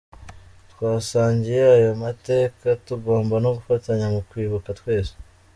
Twasangiye ayo mateka, tugomba no gufatanya mu kwibuka twese.